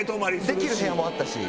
できる部屋もあったし。